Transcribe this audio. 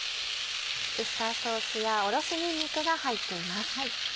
ウスターソースやおろしにんにくが入っています。